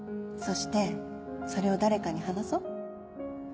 そしてそれを誰かに話そう